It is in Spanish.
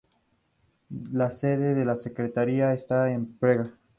La sede de la secretaría esta en Praga.